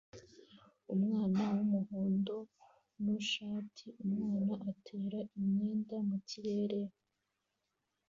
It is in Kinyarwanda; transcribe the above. Umwana wumuhondo nu shati umwana atera imyenda mukirere